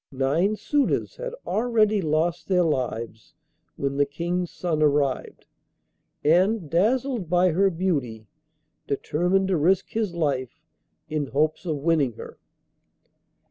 Nine suitors had already lost their lives when the King's son arrived, and, dazzled by her beauty, determined to risk his life in hopes of winning her.